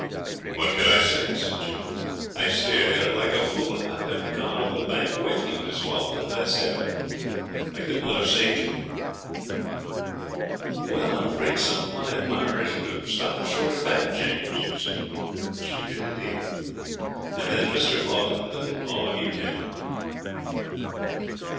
'What could I say?' said Jim. 'I stared at her like a fool. "I'd have gone over the bank with you, Miss Falkland," I said, "if I could not have saved you." '"Well, I'm afraid some of my admirers would have stopped short of that, James," she said. She did indeed. And then Mr. Falkland and all of you came up.'